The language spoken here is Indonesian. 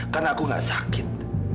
karena aku gak sakit